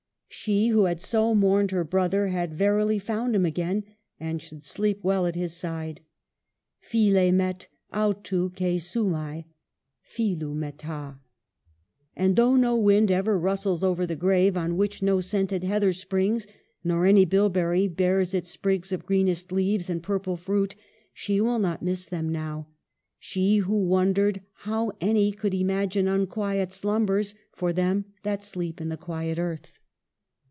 She who had so mourned her brother had ver ily found him again, and should sleep well at his side. <t>i\r) fier clvtov Kelffo/J ai, <f>ikov fiira. And though no wind ever rustles over the grave on which no scented heather springs, nor any bilberry bears its sprigs of greenest leaves and purple fruit, she will not miss them now ; she who wondered how any could imagine unquiet slumbers for them that sleep in the quiet earth.